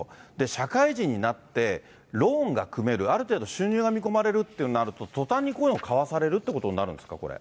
社会人になって、ローンが組める、ある程度収入が見込まれるってなると、とたんにこういうのを買わされるっていうことになるんですか？